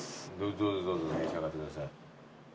どうぞどうぞ召し上がってください。